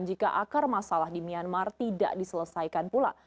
jika akar masalah di myanmar tidak diselesaikan pula